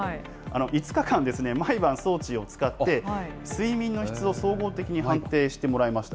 ５日間、毎晩装置を使って、睡眠の質を総合的に判定してもらいました。